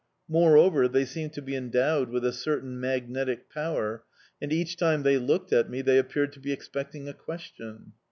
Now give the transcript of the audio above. Moreover, they seemed to be endowed with a certain magnetic power, and each time they looked at me they appeared to be expecting a question.